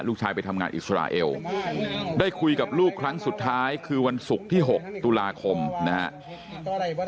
ลูกชายไปทำงานอิสราเอลได้คุยกับลูกครั้งสุดท้ายคือวันศุกร์ที่๖ตุลาคมนะครับ